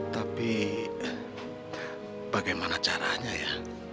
tapi bagaimana caranya ya